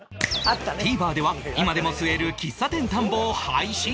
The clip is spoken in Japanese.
ＴＶｅｒ では今でも吸える喫茶店探訪！！を配信中